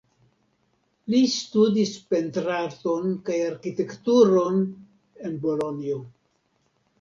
Li studis pentrarton kaj arkitekturon en Bolonjo.